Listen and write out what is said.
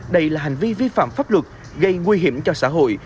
đây là hành vi vi phạm pháp luật gây nguy hiểm cho xã hội